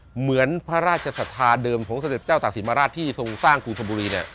เหมือนพระราชสถาเดิมของสมเด็จพระเจ้าตากสินมหาราชที่ทรงสร้างกุธบุรีเนี่ย